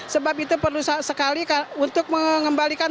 sebab itu perlu sekali untuk mengembalikan